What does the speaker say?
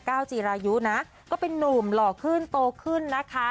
วจีรายุนะก็เป็นนุ่มหล่อขึ้นโตขึ้นนะคะ